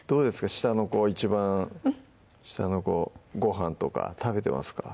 下の子は一番下の子ごはんとか食べてますか？